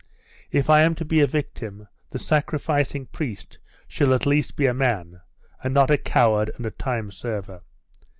If I am to be a victim, the sacrificing priest shall at least be a man, and not a coward and a time server.